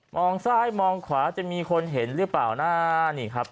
มองซ้ายมองขวาจะมีคนเห็นหรือเปล่าน่ะ